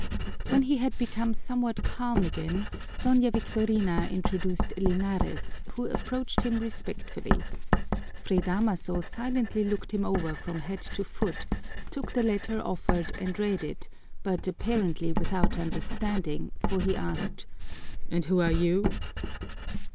When he had become somewhat calm again Doña Victorina introduced Linares, who approached him respectfully. Fray Damaso silently looked him over from head to foot, took the letter offered and read it, but apparently without understanding, for he asked, "And who are you?"